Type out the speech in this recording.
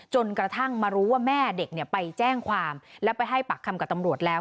จนกระทั่งมารู้ว่าแม่เด็กไปแจ้งความและไปให้ปากคำกับตำรวจแล้ว